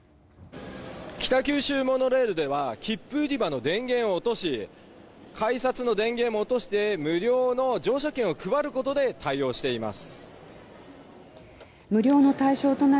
北九州モノレールでは切符売り場の電源落とし改札の電源を落として無料の乗車券を配ることで対応しています。